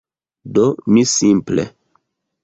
Do mi simple…